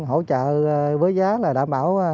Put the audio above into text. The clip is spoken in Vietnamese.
hỗ trợ với giá đảm bảo